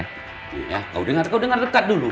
kau dengar dekat dulu